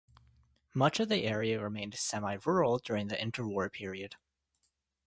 Much of the area remained semi-rural throughout the interwar period.